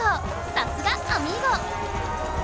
さすがアミーゴ！